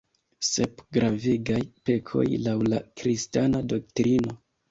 Sep gravegaj pekoj, laŭ la kristana doktrino.